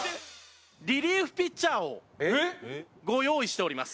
リリーフピッチャーをご用意しております。